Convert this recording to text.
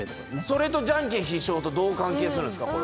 それとじゃんけん必勝法とどう関係するんですか？